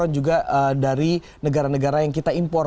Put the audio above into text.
dan juga dari negara negara yang kita impor